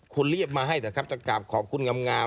คุณรีบมาให้นะครับจะกราบขอบคุณงาม